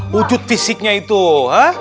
wujud fisiknya itu hah